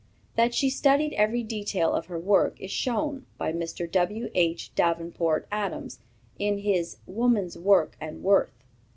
That she studied every detail of her work is shown by Mr. W. H. Davenport Adams, in his _Woman's Work and Worth.